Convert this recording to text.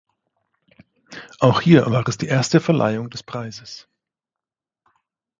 Auch hier war es die erste Verleihung des Preises.